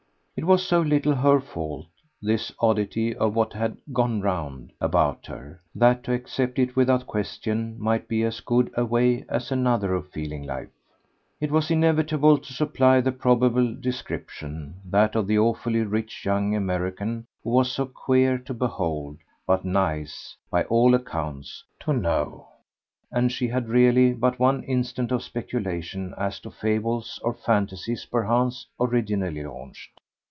It was so little her fault, this oddity of what had "gone round" about her, that to accept it without question might be as good a way as another of feeling life. It was inevitable to supply the probable description that of the awfully rich young American who was so queer to behold, but nice, by all accounts, to know; and she had really but one instant of speculation as to fables or fantasies perchance originally launched.